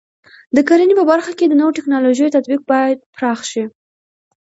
د کرنې په برخه کې د نوو ټکنالوژیو تطبیق باید پراخ شي.